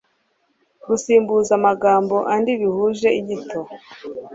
Gusimbuza amagambo andi bihuje inyito.